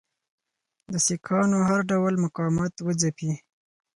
د سیکهانو هر ډول مقاومت وځپي.